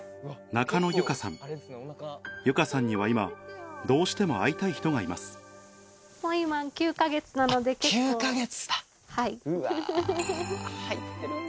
中野由佳さん由佳さんには今どうしても会いたい人がいますあっ９か月だうわ。